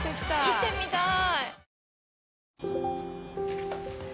行ってみたい。